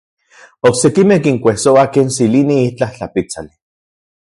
Oksekimej kinkuejsoa ken tsilini itlaj tlapitsali.